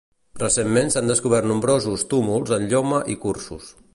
Recentment s'han descobert nombrosos túmuls en lloma i cursus.